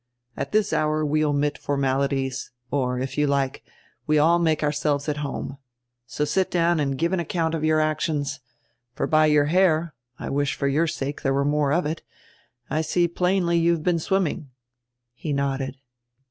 At this hour we omit formalities, or, if you like, we all make ourselves at home. So sit down and give an account of your actions. For by your hair, — I wish for your sake there were more of it — I see plainly you have been swimming." He nodded.